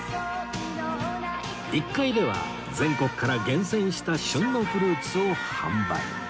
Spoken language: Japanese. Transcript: １階では全国から厳選した旬のフルーツを販売